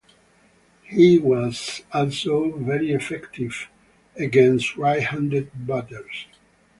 He was also very effective against right-handed batters.